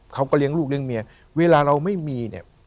เขาก็เลี้ยงลูกเลี้ยงเมียเวลาเราไม่มีเนี่ย